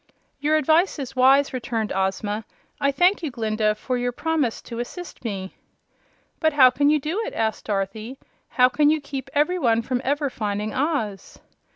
"Your advice is wise," returned Ozma. "I thank you, Glinda, for your promise to assist me." "But how can you do it?" asked Dorothy. "How can you keep every one from ever finding Oz?"